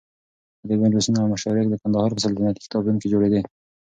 ادبي مجلسونه او مشاعرې د قندهار په سلطنتي کتابتون کې جوړېدې.